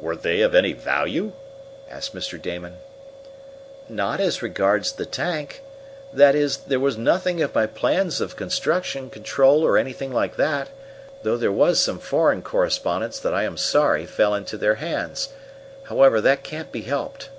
"Were they of any value?" asked Mr. Damon. "Not as regards the tank. That is, there was nothing of my plans of construction, control or anything like that, though there was some foreign correspondence that I am sorry fell into their hands. However, that can't be helped."